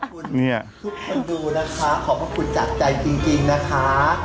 ทุกคนดูนะคะขอบพระคุณจากใจจริงนะคะ